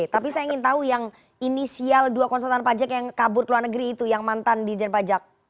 tapi saya ingin tahu yang inisial dua konsultan pajak yang kabur ke luar negeri itu yang mantan dirjen pajak